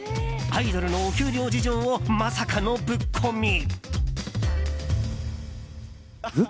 アイドルのお給料事情をまさかのぶっ込み。